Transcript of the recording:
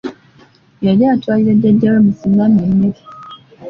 Yali atwalira Jjajja we Musimami emmere.